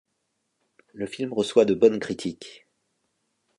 Le film reçoit de bonnes critiques.